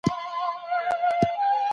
که ته کوښښ وکړې نو هر څه معلومولی سې.